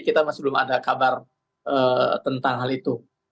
kita masih belum ada kabar tentang hal itu